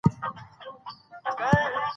په افغانستان کې د زغال منابع شته.